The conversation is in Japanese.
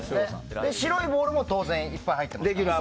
白いボールも当然いっぱい入ってます。